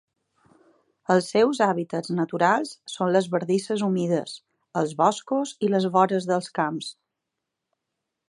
Els seus hàbitats naturals són les bardisses humides, els boscos i les vores dels camps.